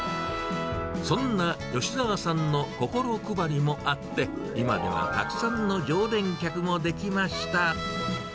そんな吉澤さんの心配りもあって、今ではたくさんの常連客もできました。